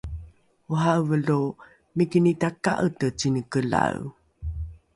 ora’eve lo mikini taka’ete cinekelae